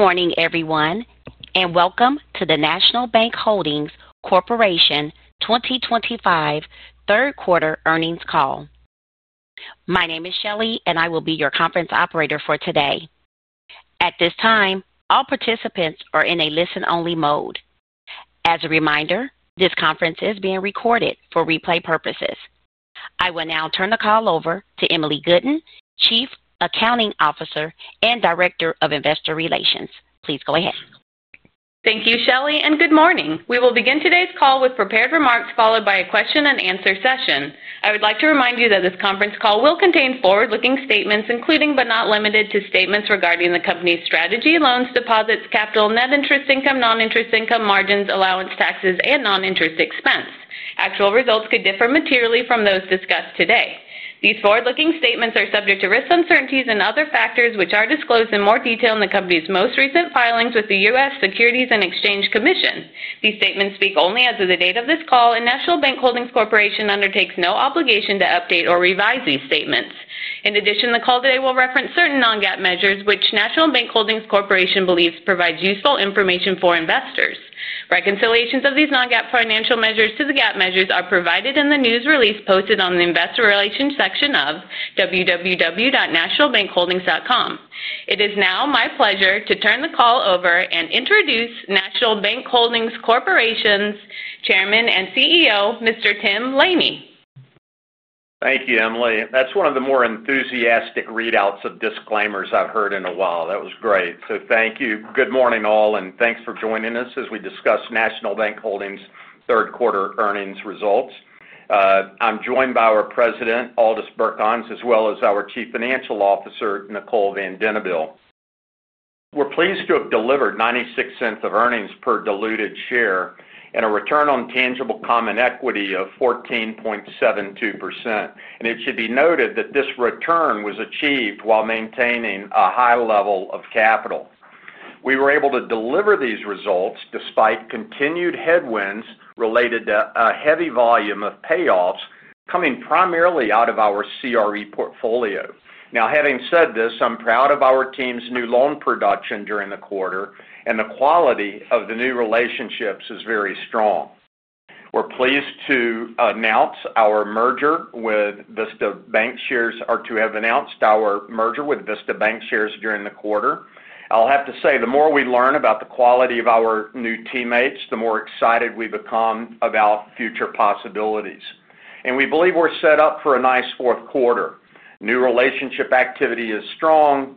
Good morning, everyone, and welcome to the National Bank Holdings Corporation 2025 third quarter earnings call. My name is Shelly, and I will be your conference operator for today. At this time, all participants are in a listen-only mode. As a reminder, this conference is being recorded for replay purposes. I will now turn the call over to Emily Gooden, Chief Accounting Officer and Director of Investor Relations. Please go ahead. Thank you, Shelly, and good morning. We will begin today's call with prepared remarks followed by a question and answer session. I would like to remind you that this conference call will contain forward-looking statements, including but not limited to statements regarding the company's strategy, loans, deposits, capital, net interest income, non-interest income, margins, allowance, taxes, and non-interest expense. Actual results could differ materially from those discussed today. These forward-looking statements are subject to risk, uncertainties, and other factors, which are disclosed in more detail in the company's most recent filings with the U.S. Securities and Exchange Commission. These statements speak only as of the date of this call, and National Bank Holdings Corporation undertakes no obligation to update or revise these statements. In addition, the call today will reference certain non-GAAP measures, which National Bank Holdings Corporation believes provide useful information for investors. Reconciliations of these non-GAAP financial measures to the GAAP measures are provided in the news release posted on the Investor Relations section of www.nationalbankholdings.com. It is now my pleasure to turn the call over and introduce National Bank Holdings Corporation's Chairman and CEO, Mr. Tim Laney. Thank you, Emily. That's one of the more enthusiastic readouts of disclaimers I've heard in a while. That was great. Thank you. Good morning all, and thanks for joining us as we discuss National Bank Holdings's third quarter earnings results. I'm joined by our President, Aldis Birkans, as well as our Chief Financial Officer, Nicole Van Denabeele. We're pleased to have delivered $0.96 of earnings per diluted share and a return on tangible common equity of 14.72%. It should be noted that this return was achieved while maintaining a high level of capital. We were able to deliver these results despite continued headwinds related to a heavy volume of payoffs coming primarily out of our CRE portfolio. Having said this, I'm proud of our team's new loan production during the quarter, and the quality of the new relationships is very strong. We're pleased to announce our merger with Vista Bancshares or to have announced our merger with Vista Bancshares during the quarter. I have to say, the more we learn about the quality of our new teammates, the more excited we become about future possibilities. We believe we're set up for a nice fourth quarter. New relationship activity is strong.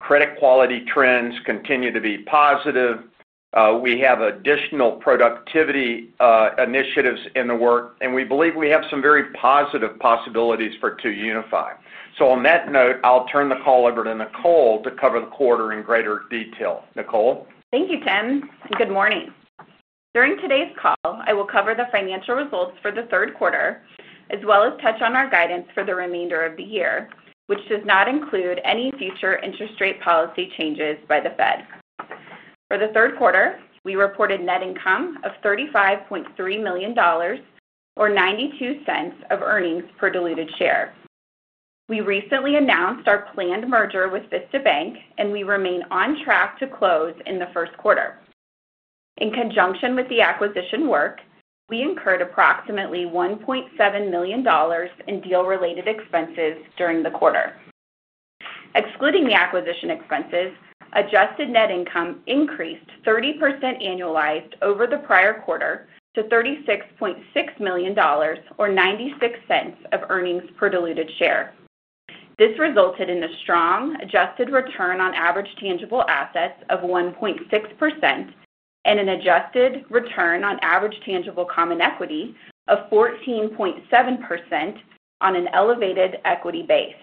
Credit quality trends continue to be positive. We have additional productivity initiatives in the work, and we believe we have some very positive possibilities for 2UniFi. On that note, I'll turn the call over to Nicole to cover the quarter in greater detail. Nicole? Thank you, Tim. Good morning. During today's call, I will cover the financial results for the third quarter, as well as touch on our guidance for the remainder of the year, which does not include any future interest rate policy changes by the Fed. For the third quarter, we reported net income of $35.3 million or $0.92 of earnings per diluted share. We recently announced our planned merger with Vista Banc, and we remain on track to close in the first quarter. In conjunction with the acquisition work, we incurred approximately $1.7 million in deal-related expenses during the quarter. Excluding the acquisition expenses, adjusted net income increased 30% annualized over the prior quarter to $36.6 million or $0.96 of earnings per diluted share. This resulted in a strong adjusted return on average tangible assets of 1.6% and an adjusted return on average tangible common equity of 14.7% on an elevated equity base.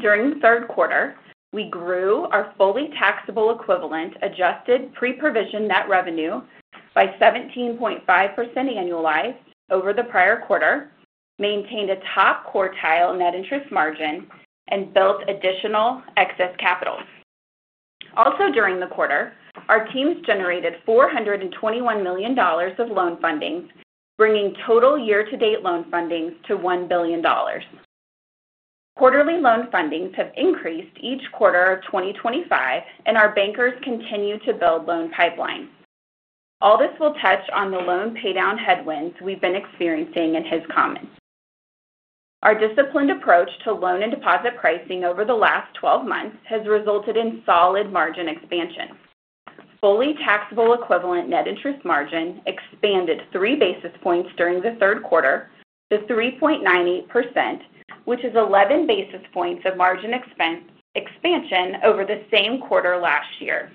During the third quarter, we grew our fully taxable equivalent adjusted pre-provision net revenue by 17.5% annualized over the prior quarter, maintained a top quartile net interest margin, and built additional excess capital. Also during the quarter, our teams generated $421 million of loan fundings, bringing total year-to-date loan fundings to $1 billion. Quarterly loan fundings have increased each quarter of 2023, and our bankers continue to build loan pipelines. Aldis will touch on the loan paydown headwinds we've been experiencing in his comments. Our disciplined approach to loan and deposit pricing over the last 12 months has resulted in solid margin expansion. Fully taxable equivalent net interest margin expanded three basis points during the third quarter to 3.98%, which is 11 basis points of margin expansion over the same quarter last year.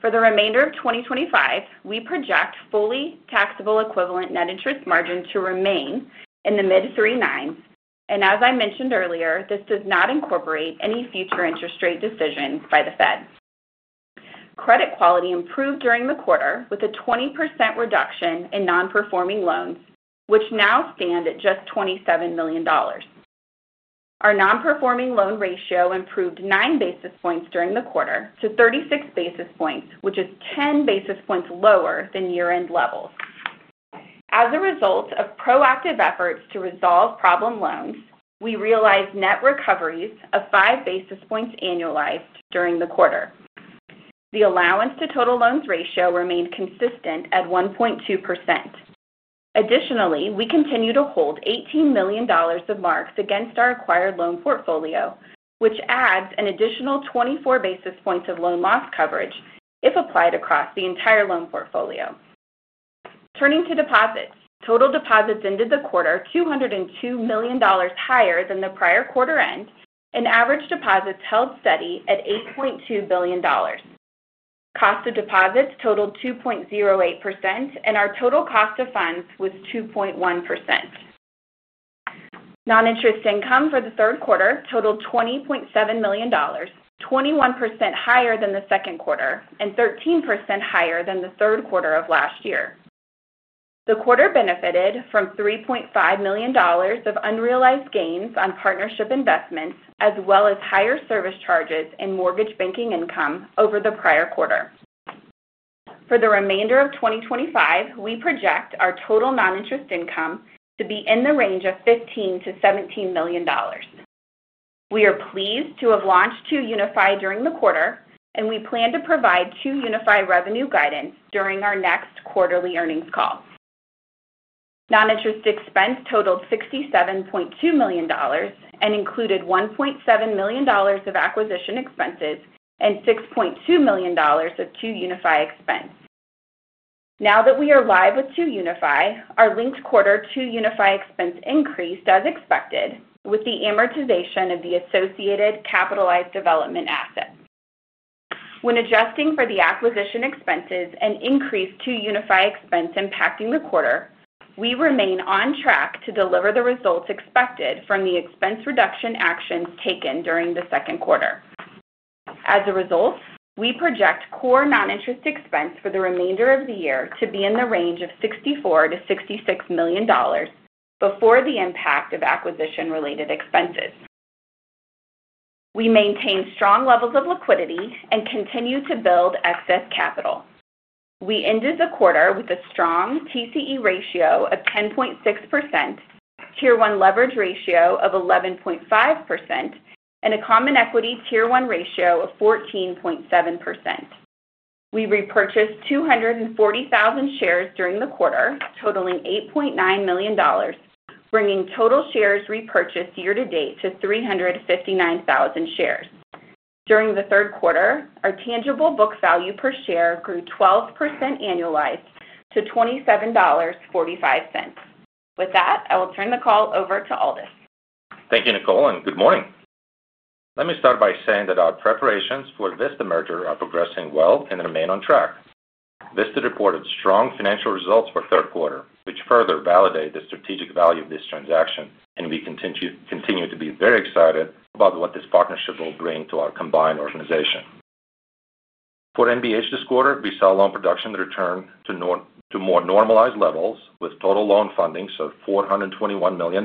For the remainder of 2025, we project fully taxable equivalent net interest margin to remain in the mid-three nines, and as I mentioned earlier, this does not incorporate any future interest rate decisions by the Fed. Credit quality improved during the quarter with a 20% reduction in non-performing loans, which now stand at just $27 million. Our non-performing loan ratio improved 9 basis points during the quarter to 36 basis points, which is 10 basis points lower than year-end levels. As a result of proactive efforts to resolve problem loans, we realized net recoveries of 5 basis points annualized during the quarter. The allowance to total loans ratio remained consistent at 1.2%. Additionally, we continue to hold $18 million of marks against our acquired loan portfolio, which adds an additional 24 basis points of loan loss coverage if applied across the entire loan portfolio. Turning to deposits, total deposits ended the quarter $202 million higher than the prior quarter end, and average deposits held steady at $8.2 billion. Cost of deposits totaled 2.08%, and our total cost of funds was 2.1%. Non-interest income for the third quarter totaled $20.7 million, 21% higher than the second quarter and 13% higher than the third quarter of last year. The quarter benefited from $3.5 million of unrealized gains on partnership investments, as well as higher service charges and mortgage banking income over the prior quarter. For the remainder of 2025, we project our total non-interest income to be in the range of $15 million-$17 million. We are pleased to have launched 2UniFi during the quarter, and we plan to provide 2UniFi revenue guidance during our next quarterly earnings call. Non-interest expense totaled $67.2 million and included $1.7 million of acquisition expenses and $6.2 million of 2UniFi expense. Now that we are live with 2UniFi, our linked quarter 2UniFi expense increased as expected with the amortization of the associated capitalized development assets. When adjusting for the acquisition expenses and increased 2UniFi expense impacting the quarter, we remain on track to deliver the results expected from the expense reduction actions taken during the second quarter. As a result, we project core non-interest expense for the remainder of the year to be in the range of $64 million-$66 million before the impact of acquisition-related expenses. We maintain strong levels of liquidity and continue to build excess capital. We ended the quarter with a strong TCE ratio of 10.6%, Tier 1 leverage ratio of 11.5%, and a common equity Tier 1 ratio of 14.7%. We repurchased 240,000 shares during the quarter, totaling $8.9 million, bringing total shares repurchased year to date to 359,000 shares. During the third quarter, our tangible book value per share grew 12% annualized to $27.45. With that, I will turn the call over to Aldis. Thank you, Nicole, and good morning. Let me start by saying that our preparations Vista merger are progressing well and remain on track, this reported strong financial results for the third quarter, which further validates the strategic value of this transaction, and we continue to be very excited about what this partnership will bring to our combined organization. For NBH this quarter, we saw loan production return to more normalized levels with total loan fundings of $421 million.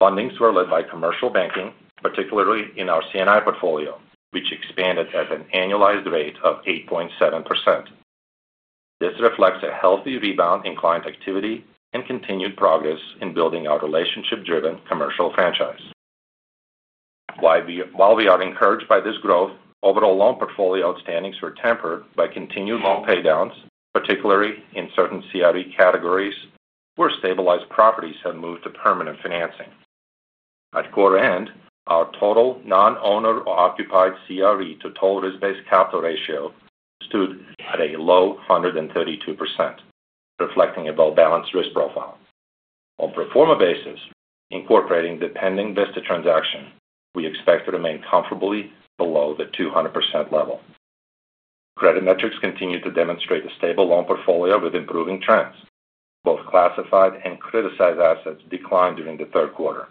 Fundings were led by commercial banking, particularly in our C&I portfolio, which expanded at an annualized rate of 8.7%. This reflects a healthy rebound in client activity and continued progress in building our relationship-driven commercial franchise. While we are encouraged by this growth, overall loan portfolio outstandings were tempered by continued loan paydowns, particularly in certain CRE categories where stabilized properties have moved to permanent financing. At quarter end, our total non-owner-occupied CRE to total risk-based capital ratio stood at a low 132%, reflecting a well-balanced risk profile. On a pro forma basis, incorporating dependent Vista transaction, we expect to remain comfortably below the 200% level. Credit metrics continue to demonstrate a stable loan portfolio with improving trends. Both classified and criticized assets declined during the third quarter.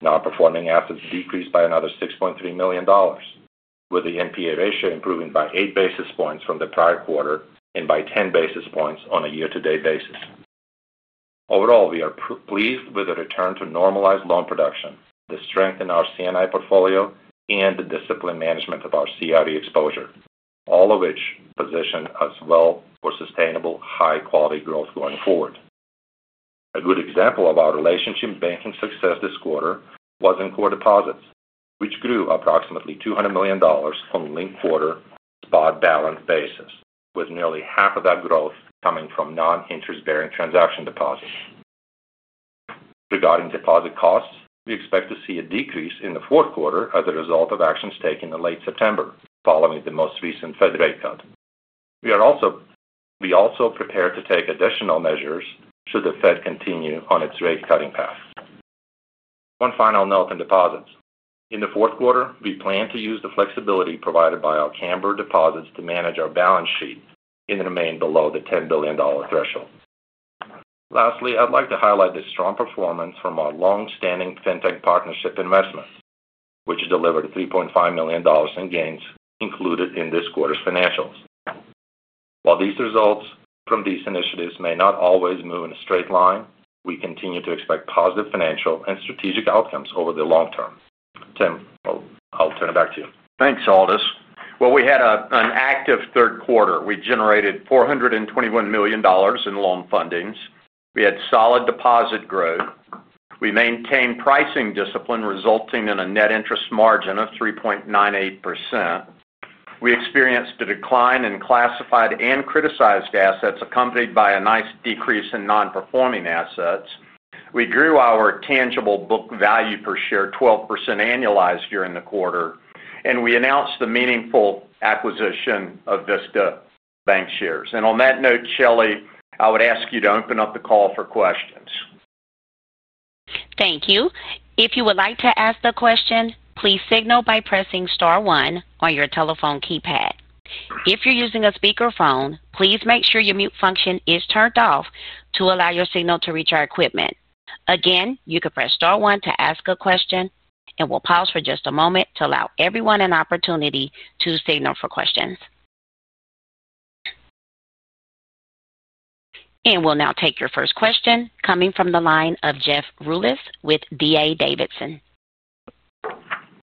Non-performing assets decreased by another $6.3 million, with the NPA ratio improving by 8 basis points from the prior quarter and by 10 basis points on a year-to-date basis. Overall, we are pleased with the return to normalized loan production, the strength in our C&I portfolio, and the disciplined management of our CRE exposure, all of which position us well for sustainable high-quality growth going forward. A good example of our relationship banking success this quarter was in core deposits, which grew approximately $200 million on a linked quarter spot balance basis, with nearly half of that growth coming from non-interest-bearing transaction deposits. Regarding deposit costs, we expect to see a decrease in the fourth quarter as a result of actions taken in late September following the most recent Fed rate cut. We are also prepared to take additional measures should the Fed continue on its rate-cutting path. One final note on deposits. In the fourth quarter, we plan to use the flexibility provided by our Canberra deposits to manage our balance sheet and remain below the $10 billion threshold. Lastly, I'd like to highlight the strong performance from our long-standing fintech partnership investments, which delivered $3.5 million in gains included in this quarter's financials. While the results from these initiatives may not always move in a straight line, we continue to expect positive financial and strategic outcomes over the long term. Tim, I'll turn it back to you. Thanks, Aldis. We had an active third quarter. We generated $421 million in loan fundings. We had solid deposit growth. We maintained pricing discipline resulting in a net interest margin of 3.98%. We experienced a decline in classified and criticized assets, accompanied by a nice decrease in non-performing assets. We grew our tangible book value per share 12% annualized during the quarter, and we announced the meaningful acquisition of Vista Bancshares. On that note, Shelly, I would ask you to open up the call for questions. Thank you. If you would like to ask a question, please signal by pressing star one on your telephone keypad. If you're using a speakerphone, please make sure your mute function is turned off to allow your signal to reach our equipment. Again, you can press star one to ask a question. We'll pause for just a moment to allow everyone an opportunity to signal for questions. We'll now take your first question coming from the line of Jeff Rulis with D.A. Davidson.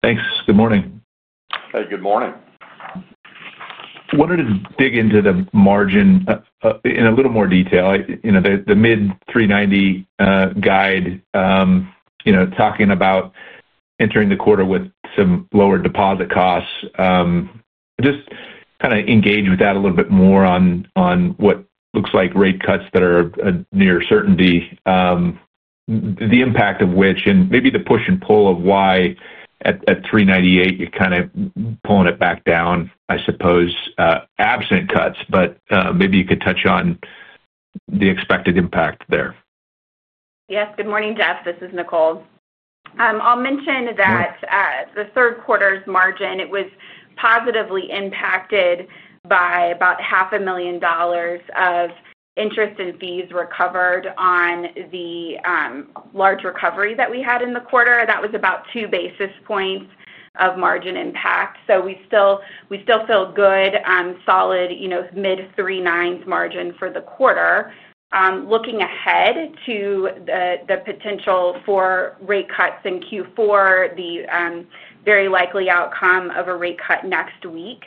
Thanks. Good morning. Hey, good morning. I wanted to dig into the margin in a little more detail. You know, the mid 3.90% guide, you know, talking about entering the quarter with some lower deposit costs. Just kind of engage with that a little bit more on what looks like rate cuts that are a near certainty, the impact of which, and maybe the push and pull of why at 3.98%, you're kind of pulling it back down, I suppose, absent cuts. Maybe you could touch on the expected impact there. Yes. Good morning, Jeff. This is Nicole. I'll mention that the third quarter's margin was positively impacted by about $0.5 million of interest and fees recovered on the large recovery that we had in the quarter. That was about two basis points of margin impact. We still feel good, solid, you know, mid three nines margin for the quarter. Looking ahead to the potential for rate cuts in Q4, the very likely outcome of a rate cut next week,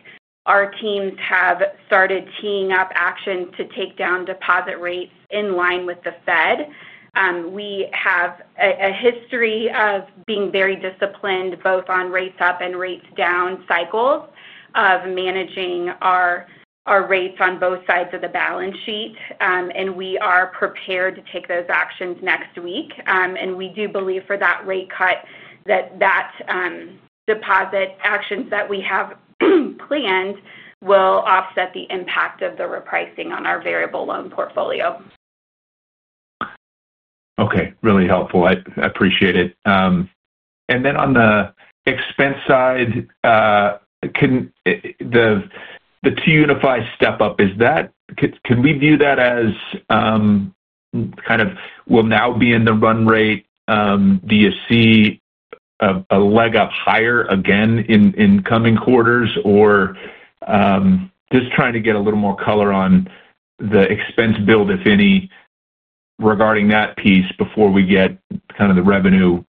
our teams have started teeing up actions to take down deposit rates in line with the Fed. We have a history of being very disciplined both on rates up and rates down cycles of managing our rates on both sides of the balance sheet. We are prepared to take those actions next week. We do believe for that rate cut that the deposit actions that we have planned will offset the impact of the repricing on our variable loan portfolio. Okay. Really helpful. I appreciate it. On the expense side, can the 2UniFi step up, can we view that as kind of will now be in the run rate? Do you see a leg up higher again in coming quarters? Just trying to get a little more color on the expense build, if any, regarding that piece before we get kind of the revenue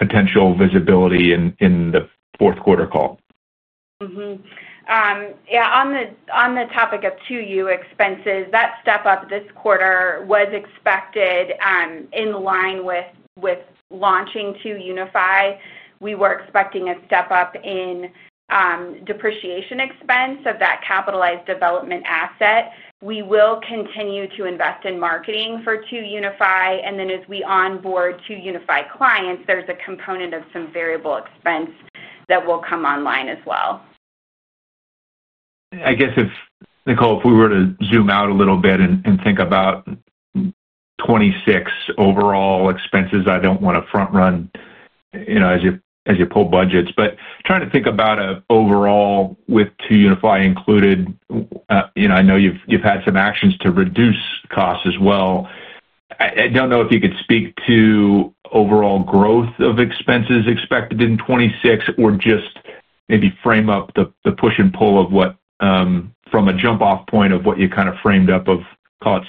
potential visibility in the fourth quarter call. Yeah. On the topic of 2U expenses, that step up this quarter was expected in line with launching 2UniFi. We were expecting a step up in depreciation expense of that capitalized development asset. We will continue to invest in marketing for 2UniFi, and as we onboard 2UniFi clients, there's a component of some variable expense that will come online as well. I guess, Nicole, if we were to zoom out a little bit and think about 2026 overall expenses, I don't want to front-run as you pull budgets, but trying to think about an overall with 2UniFi included, you know, I know you've had some actions to reduce costs as well. I don't know if you could speak to overall growth of expenses expected in 2026 or just maybe frame up the push and pull of what, from a jump-off point of what you kind of framed up of, call it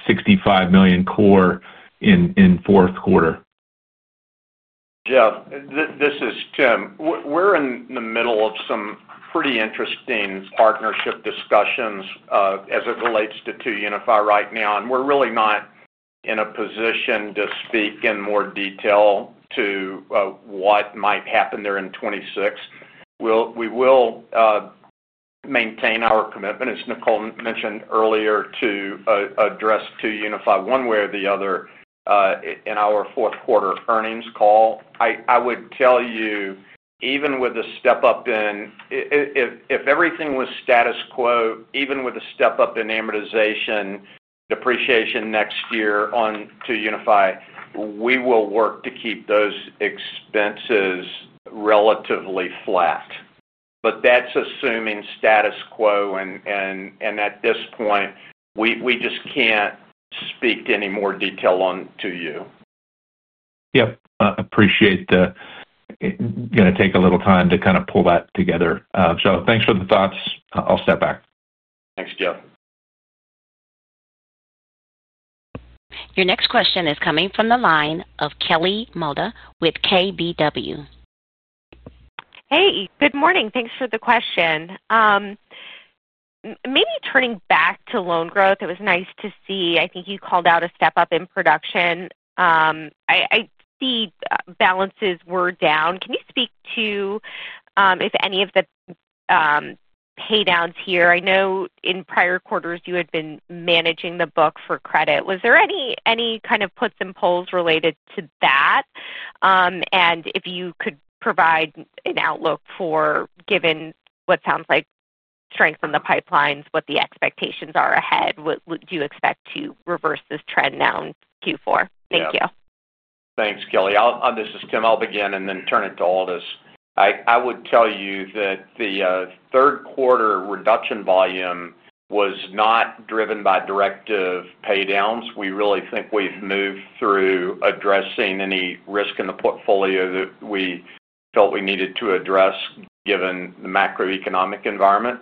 $65 million core in fourth quarter. Yeah. This is Tim. We're in the middle of some pretty interesting partnership discussions as it relates to 2UniFi right now. We're really not in a position to speak in more detail to what might happen there in 2026. We will maintain our commitment, as Nicole mentioned earlier, to address 2UniFi one way or the other in our fourth quarter earnings call. I would tell you, even with a step up in, if everything was status quo, even with a step up in amortization depreciation next year on 2UniFi, we will work to keep those expenses relatively flat. That's assuming status quo. At this point, we just can't speak to any more detail on 2U. I appreciate the going to take a little time to kind of pull that together. Thanks for the thoughts. I'll step back. Thanks, Jeff. Your next question is coming from the line of Kelly Mota with KBW. Hey, good morning. Thanks for the question. Maybe turning back to loan growth, it was nice to see. I think you called out a step up in production. I see balances were down. Can you speak to if any of the paydowns here? I know in prior quarters you had been managing the book for credit. Was there any kind of puts and pulls related to that? If you could provide an outlook for given what sounds like strength in the pipelines, what the expectations are ahead, what do you expect to reverse this trend now in Q4? Thank you. Thanks, Kelly. This is Tim. I'll begin and then turn it to Aldis. I would tell you that the third quarter reduction volume was not driven by directive paydowns. We really think we've moved through addressing any risk in the portfolio that we felt we needed to address given the macroeconomic environment.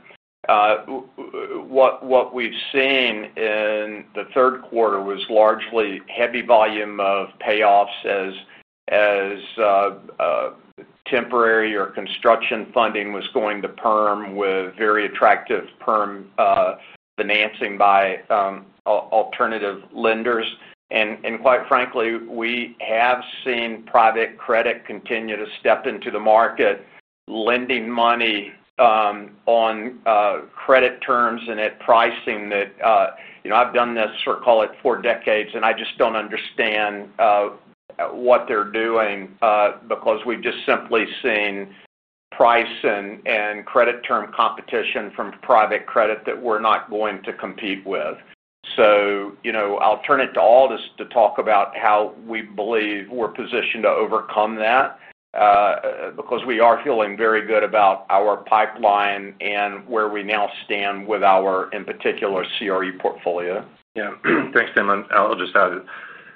What we've seen in the third quarter was largely heavy volume of payoffs as temporary or construction funding was going to perm with very attractive perm financing by alternative lenders. Quite frankly, we have seen private credit continue to step into the market, lending money on credit terms and at pricing that, you know, I've done this, call it, for decades, and I just don't understand what they're doing because we've just simply seen price and credit term competition from private credit that we're not going to compete with. I'll turn it to Aldis to talk about how we believe we're positioned to overcome that because we are feeling very good about our pipeline and where we now stand with our, in particular, CRE portfolio. Yeah. Thanks, Tim. I'll just add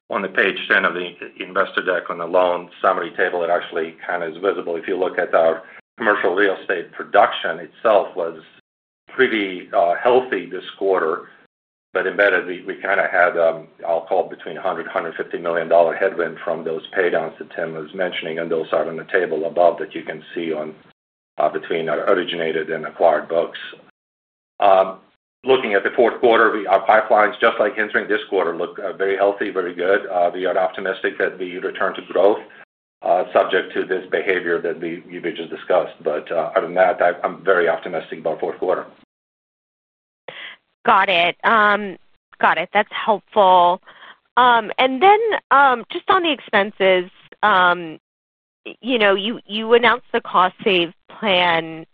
on the page 10 of the investor deck on the loan summary table, it actually kind of is visible. If you look at our commercial real estate production itself, it was pretty healthy this quarter. Embedded, we kind of had, I'll call it, between $100 million-$150 million headwind from those paydowns that Tim was mentioning and those out on the table above that you can see on between our originated and acquired books. Looking at the fourth quarter, our pipelines, just like [Hinze Rink], this quarter look very healthy, very good. We are optimistic that the return to growth is subject to this behavior that we just discussed. Other than that, I'm very optimistic about fourth quarter. Got it. That's helpful. Just on the expenses, you announced the cost save plan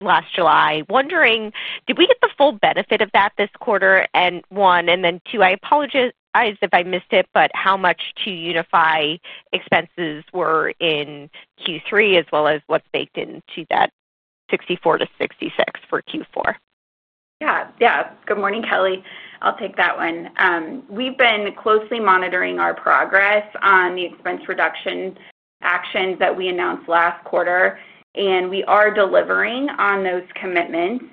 last July. Wondering, did we get the full benefit of that this quarter? One, and then two, I apologize if I missed it, but how much 2UniFi expenses were in Q3 as well as what's baked into that $64 million-$66 million for Q4? Yeah. Good morning, Kelly. I'll take that one. We've been closely monitoring our progress on the expense reduction actions that we announced last quarter, and we are delivering on those commitments.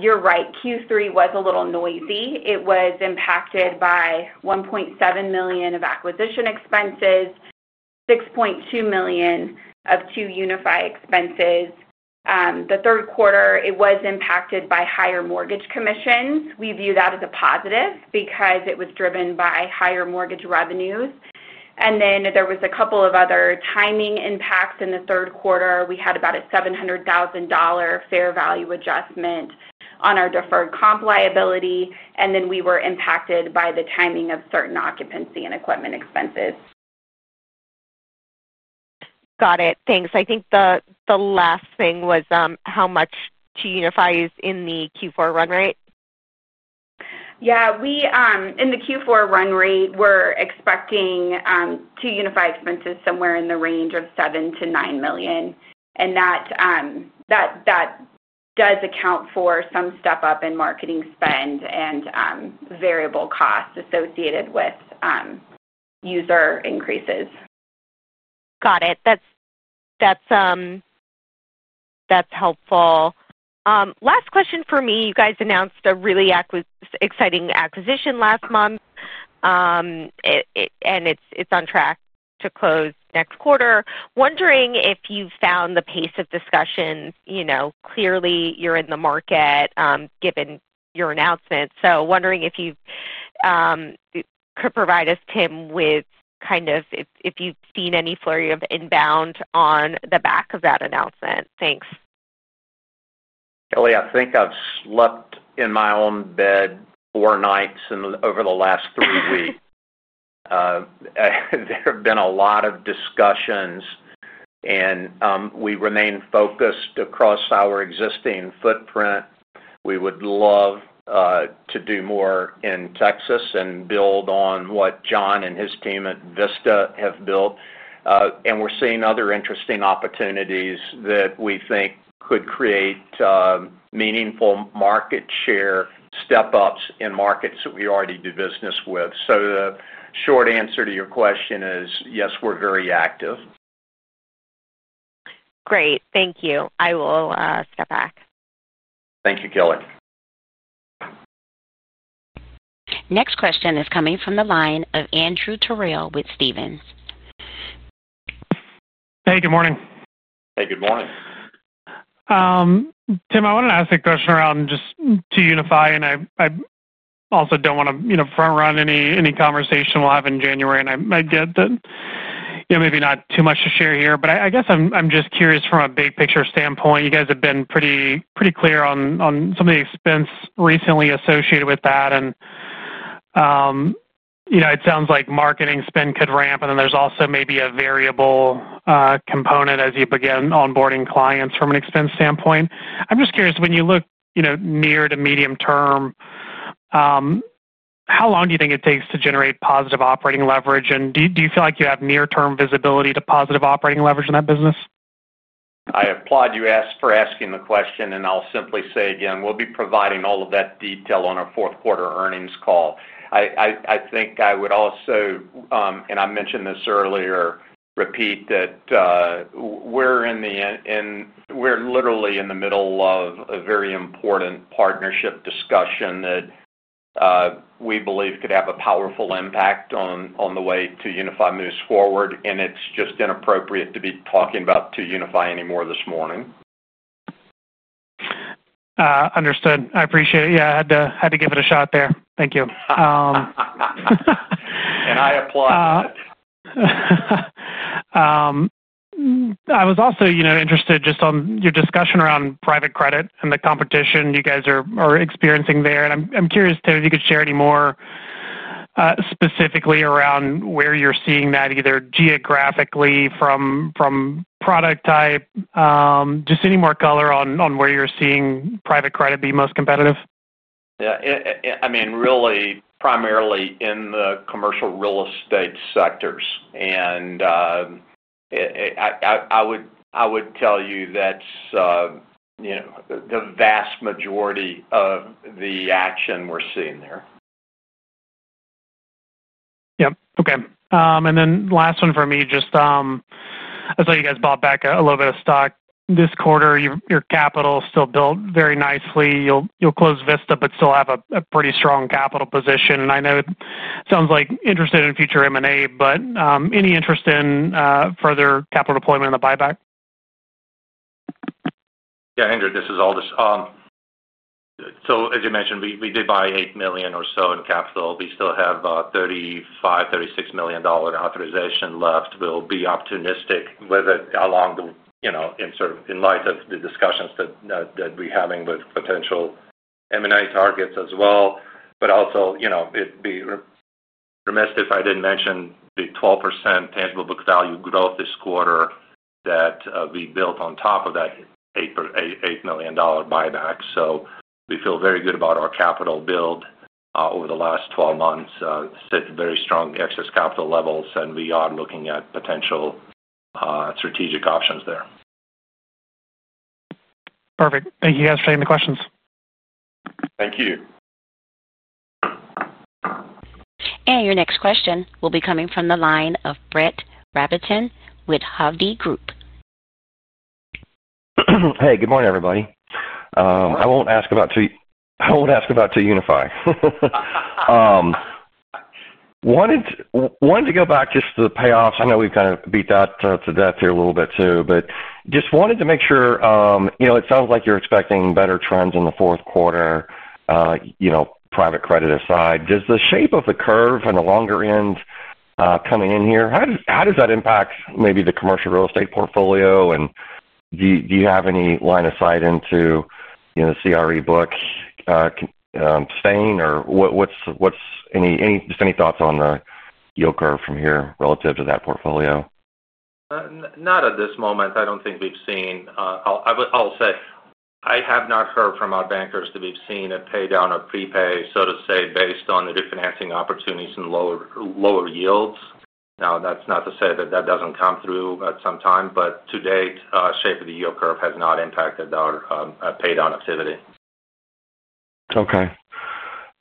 You're right. Q3 was a little noisy. It was impacted by $1.7 million of acquisition expenses, $6.2 million of 2UniFi expenses. The third quarter was impacted by higher mortgage commissions. We view that as a positive because it was driven by higher mortgage revenues. There were a couple of other timing impacts in the third quarter. We had about a $700,000 fair value adjustment on our deferred comp liability, and we were impacted by the timing of certain occupancy and equipment expenses. Got it. Thanks. I think the last thing was how much 2UniFi is in the Q4 run rate? Yeah. In the Q4 run rate, we're expecting 2UniFi expenses somewhere in the range of $7 million-$9 million. That does account for some step up in marketing spend and variable costs associated with user increases. Got it. That's helpful. Last question for me. You guys announced a really exciting acquisition last month, and it's on track to close next quarter. Wondering if you found the pace of discussions. Clearly, you're in the market given your announcement. Wondering if you could provide us, Tim, with kind of if you've seen any flurry of inbound on the back of that announcement. Thanks. Kelly, I think I've slept in my own bed four nights over the last three weeks. There have been a lot of discussions, and we remain focused across our existing footprint. We would love to do more in Texas and build on what John and his team at Vista have built. We're seeing other interesting opportunities that we think could create meaningful market share step-ups in markets that we already do business with. The short answer to your question is, yes, we're very active. Great. Thank you. I will step back. Thank you, Kelly. Next question is coming from the line of Andrew Terrell with Stephens. Hey, good morning. Hey, good morning. Tim, I wanted to ask a question around just 2UniFi. I also don't want to front-run any conversation we'll have in January. I get that, you know, maybe not too much to share here, but I guess I'm just curious from a big-picture standpoint. You guys have been pretty clear on some of the expense recently associated with that. It sounds like marketing spend could ramp, and then there's also maybe a variable component as you begin onboarding clients from an expense standpoint. I'm just curious, when you look near to medium term, how long do you think it takes to generate positive operating leverage? Do you feel like you have near-term visibility to positive operating leverage in that business? I applaud you for asking the question, and I'll simply say again, we'll be providing all of that detail on our fourth quarter earnings call. I think I would also, as I mentioned earlier, repeat that we're literally in the middle of a very important partnership discussion that we believe could have a powerful impact on the way 2UniFi moves forward. It's just inappropriate to be talking about 2UniFi anymore this morning. Understood. I appreciate it. I had to give it a shot there. Thank you. I applaud you. I was also interested just on your discussion around private credit and the competition you guys are experiencing there. I'm curious, Tim, if you could share any more specifically around where you're seeing that either geographically from product type, just any more color on where you're seeing private credit be most competitive. Yeah. I mean, really, primarily in the commercial real estate sectors. I would tell you that the vast majority of the action we're seeing there. Okay. The last one for me, just I saw you guys bought back a little bit of stock this quarter. Your capital is still built very nicely. You'll close Vista but still have a pretty strong capital position. I know it sounds like interested in future M&A, but any interest in further capital deployment in the buyback? Yeah, Andrew. This is Aldis. As you mentioned, we did buy $8 million or so in capital. We still have a $35 million, $36 million authorization left. We'll be optimistic with it along the, you know, in light of the discussions that we're having with potential M&A targets as well. It'd be remiss if I didn't mention the 12% tangible book value growth this quarter that we built on top of that $8 million buyback. We feel very good about our capital build over the last 12 months. It's at very strong excess capital levels, and we are looking at potential strategic options there. Perfect. Thank you, guys, for taking the questions. Thank you. Your next question will be coming from the line of Brett Rabatin with Hovde Group. Hey, good morning, everybody. I won't ask about 2UniFi. Wanted to go back just to the payoffs. I know we've kind of beat that to death here a little bit too, but just wanted to make sure, you know, it sounds like you're expecting better trends in the fourth quarter, you know, private credit aside. Does the shape of the curve on the longer end coming in here, how does that impact maybe the commercial real estate portfolio? Do you have any line of sight into, you know, the CRE book staying? What's any, just any thoughts on the yield curve from here relative to that portfolio? Not at this moment. I don't think we've seen, I'll say, I have not heard from our bankers that we've seen a paydown or prepay, so to say, based on the refinancing opportunities and lower yields. Now, that's not to say that that doesn't come through at some time, but to date, the shape of the yield curve has not impacted our paydown activity. Okay.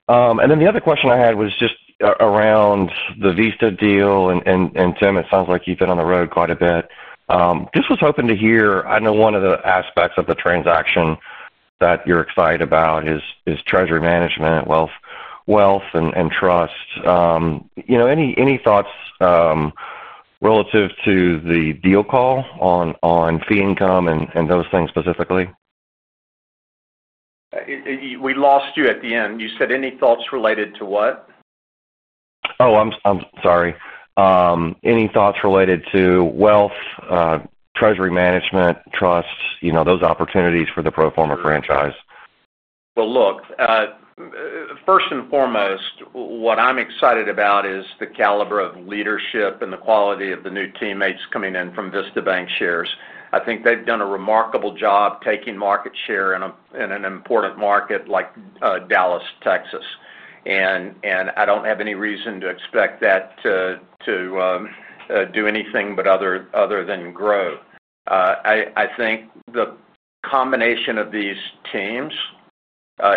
The other question I had was just around the Vista deal. Tim, it sounds like you've been on the road quite a bit. I was hoping to hear, I know one of the aspects of the transaction that you're excited about is treasury management, wealth, and trust. Any thoughts relative to the deal call on fee income and those things specifically? We lost you at the end. You said any thoughts related to what? I'm sorry. Any thoughts related to wealth, treasury management, trust, you know, those opportunities for the pro forma franchise? First and foremost, what I'm excited about is the caliber of leadership and the quality of the new teammates coming in from Vista Bancshares. I think they've done a remarkable job taking market share in an important market like Dallas, Texas. I don't have any reason to expect that to do anything other than grow. I think the combination of these teams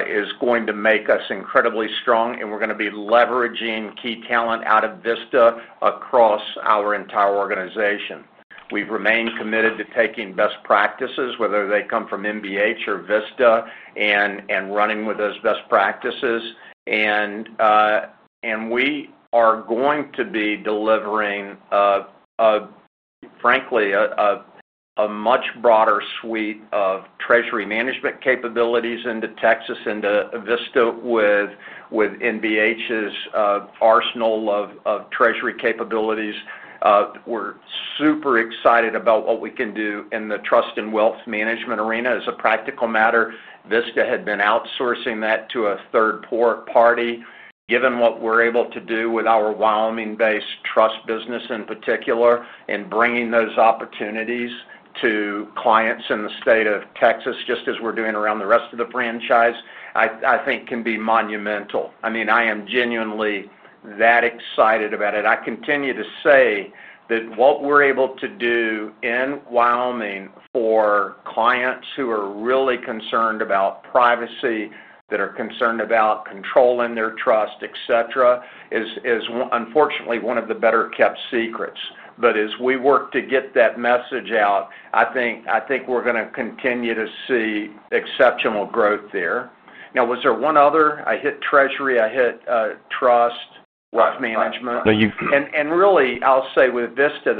is going to make us incredibly strong, and we're going to be leveraging key talent out of Vista across our entire organization. We've remained committed to taking best practices, whether they come from NBH or Vista, and running with those best practices. We are going to be delivering, frankly, a much broader suite of treasury management capabilities into Texas, into Vista with NBH's arsenal of treasury capabilities. We're super excited about what we can do in the trust and wealth management arena. As a practical matter, Vista had been outsourcing that to a third party. Given what we're able to do with our Wyoming-based trust business in particular and bringing those opportunities to clients in the state of Texas, just as we're doing around the rest of the franchise, I think can be monumental. I am genuinely that excited about it. I continue to say that what we're able to do in Wyoming for clients who are really concerned about privacy, that are concerned about controlling their trust, etc., is unfortunately one of the better-kept secrets. As we work to get that message out, I think we're going to continue to see exceptional growth there. Now, was there one other? I hit treasury. I hit trust management. Right. I'll say with Vista,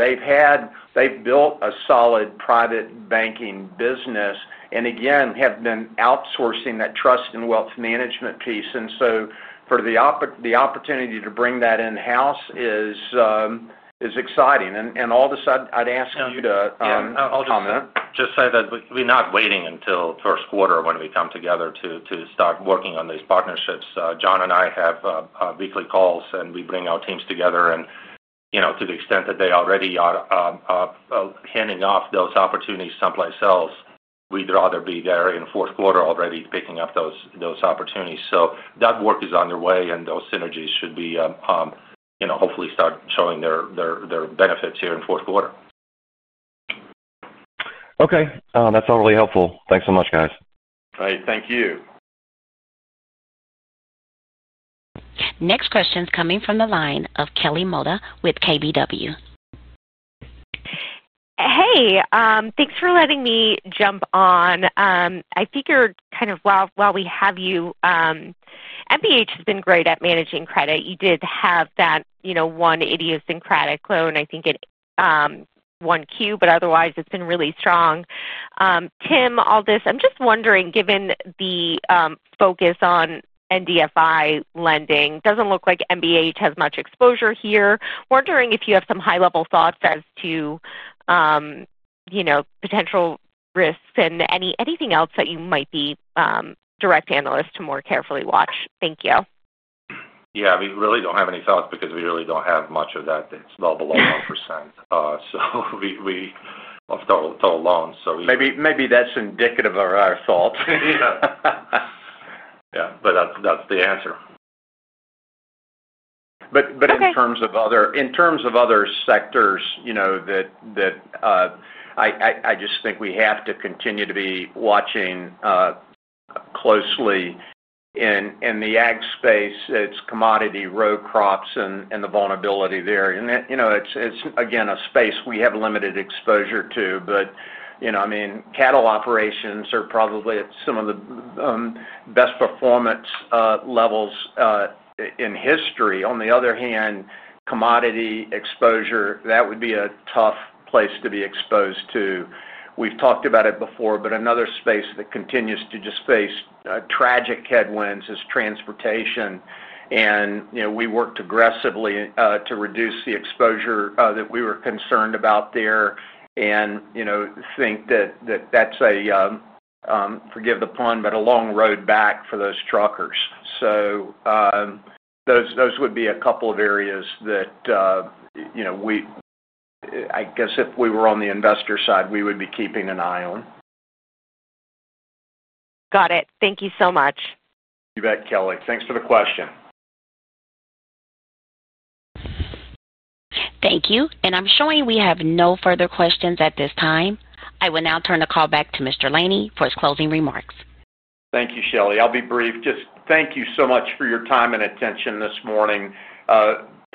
they've built a solid private banking business and have been outsourcing that trust and wealth management piece. The opportunity to bring that in-house is exciting. Aldis, I'd ask you to comment. I'll just say that we're not waiting until the first quarter when we come together to start working on these partnerships. John and I have weekly calls, and we bring our teams together. To the extent that they already are handing off those opportunities someplace else, we'd rather be there in the fourth quarter already picking up those opportunities. That work is underway, and those synergies should hopefully start showing their benefits here in the fourth quarter. Okay, that's all really helpful. Thanks so much, guys. All right. Thank you. Next question is coming from the line of Kelly Motta with KBW. Hey, thanks for letting me jump on. I think you're kind of, while we have you, NBH has been great at managing credit. You did have that, you know, one idiosyncratic loan, I think, in Q1, but otherwise, it's been really strong. Tim, Aldis, I'm just wondering, given the focus on NDFI lending, it doesn't look like NBH has much exposure here. Wondering if you have some high-level thoughts as to, you know, potential risks and anything else that you might be a direct analyst to more carefully watch. Thank you. Yeah. We really don't have any thoughts because we really don't have much of that. It's well below 1%. We have total loans. Maybe that's indicative of our fault. Yeah, that's the answer. In terms of other sectors, I just think we have to continue to be watching closely in the ag space. It's commodity row crops and the vulnerability there. It's, again, a space we have limited exposure to. I mean, cattle operations are probably at some of the best performance levels in history. On the other hand, commodity exposure, that would be a tough place to be exposed to. We've talked about it before, another space that continues to just face tragic headwinds is transportation. We worked aggressively to reduce the exposure that we were concerned about there and think that that's a, forgive the pun, but a long road back for those truckers. Those would be a couple of areas that, I guess if we were on the investor side, we would be keeping an eye on. Got it. Thank you so much. You bet, Kelly. Thanks for the question. Thank you. I'm showing we have no further questions at this time. I will now turn the call back to Mr. Laney for his closing remarks. Thank you, Shelly. I'll be brief. Just thank you so much for your time and attention this morning.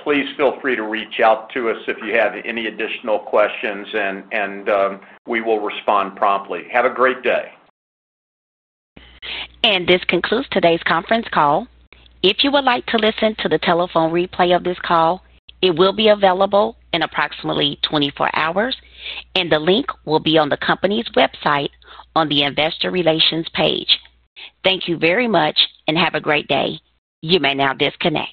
Please feel free to reach out to us if you have any additional questions, and we will respond promptly. Have a great day. This concludes today's conference call. If you would like to listen to the telephone replay of this call, it will be available in approximately 24 hours, and the link will be on the company's website on the investor relations page. Thank you very much, and have a great day. You may now disconnect.